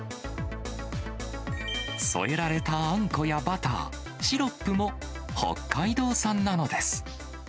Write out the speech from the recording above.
添えられたあんこやバター、シロップも北海道産なのです。